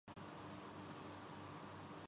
اور اشرار بھی پائے جاتے ہیں